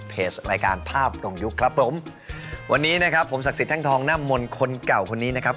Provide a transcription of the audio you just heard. รายการภาพตรงยุคครับผมวันนี้นะครับผมศักดิ์สิทธิแท่งทองน้ำมนต์คนเก่าคนนี้นะครับ